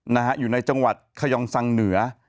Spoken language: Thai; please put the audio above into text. นะฮะอยู่ในจังหวัดขยองสังเหนือ